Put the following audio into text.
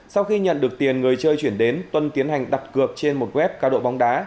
sau khi nhận được tiền người chơi chuyển đến tuân tiến hành đặt cược trên một web cao độ bóng đá